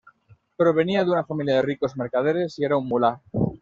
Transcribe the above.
Provenía de una familia de ricos mercaderes y era un mulá.